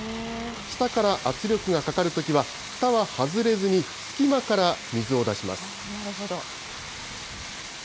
下から圧力がかかるときは、ふたは外れずに、隙間から水を出します。